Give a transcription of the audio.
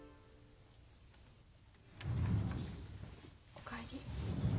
お帰り。